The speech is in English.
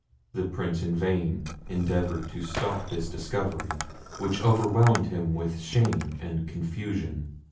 The Prince in vain endeavoured to stop this discovery, which overwhelmed him with shame and confusion.